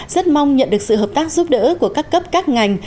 rất mong nhận được sự hợp tác giúp đỡ của các cấp các ngành